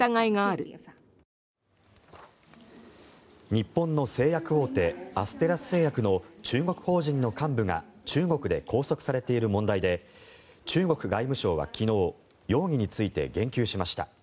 日本の製薬大手アステラス製薬の中国法人の幹部が中国で拘束されている問題で中国外務省は昨日容疑について言及しました。